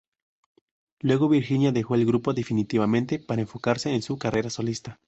Luego Virginia dejó el grupo definitivamente para enfocarse en su carrera solista.